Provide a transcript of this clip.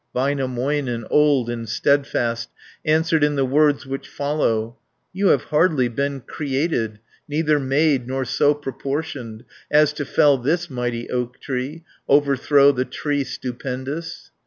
Väinämöinen, old and steadfast, Answered in the words which follow: "You have hardly been created, Neither made, nor so proportioned, As to fell this mighty oak tree, Overthrow the tree stupendous."